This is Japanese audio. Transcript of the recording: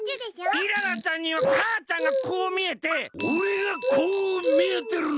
イララちゃんにはかあちゃんがこうみえておれがこうみえてるの？